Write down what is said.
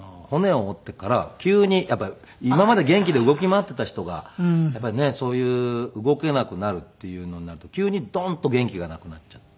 やっぱり今まで元気で動き回っていた人がそういう動けなくなるっていうのになると急にドンッと元気がなくなっちゃって。